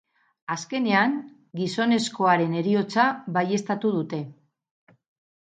Azkenean, gizonezkoaren heriotza baieztatu dute.